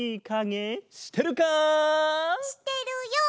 してるよ！